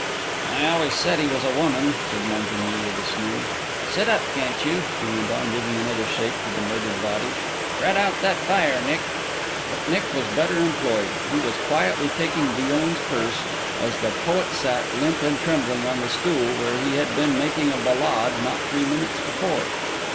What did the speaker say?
"I always said he was a woman," added Montigny with a sneer. "Sit up, can't you?" he went on, giving another shake to the murdered body. "Tread out that fire, Nick!" But Nick was better employed; he was quietly taking Villon's purse, as the poet sat, limp and trembling, on the stool where he had been making a ballade not three minutes before.